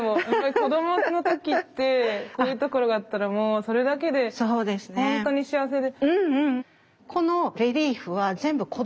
子どもの時ってこういうところがあったらもうそれだけで本当に幸せで。